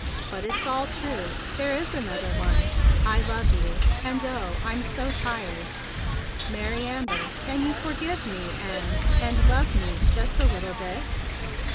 "But it is all true. There is another one. I love you! And oh, I'm so tired. Mary Amber, can you forgive me—and —and love me, just a little bit?"